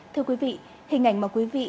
thưa quý vị hình ảnh mà quý vị